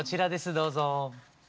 どうぞ。